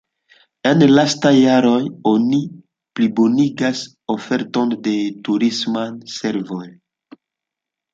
En lastaj jaroj oni plibonigas oferton de turismaj servoj.